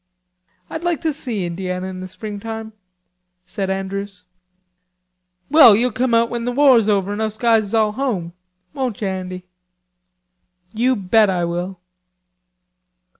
"I'd like to see Indiana in the springtime," said Andrews. "Well you'll come out when the war's over and us guys is all home... won't you, Andy?" "You bet I will."